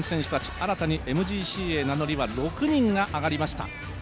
新たにＭＧＣへ名乗りは６人があげました。